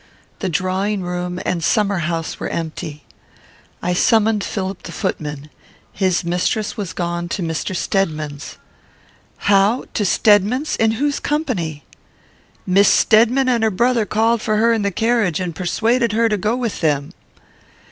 The drawing room and summer house were empty. I summoned Philip the footman: his mistress was gone to Mr. Stedman's. "How? To Stedman's? In whose company?" "Miss Stedman and her brother called for her in the carriage, and persuaded her to go with them."